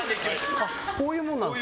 こういうもんなんですか。